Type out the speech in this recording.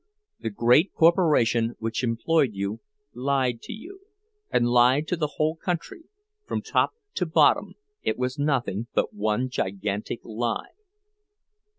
The great corporation which employed you lied to you, and lied to the whole country—from top to bottom it was nothing but one gigantic lie.